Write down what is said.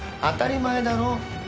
当たり前だろ。